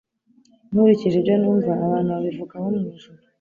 nkurikije ibyo numva abantu babivugaho mwijuru